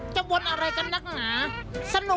แม่ไม่ว่างพ่อไม่อยู่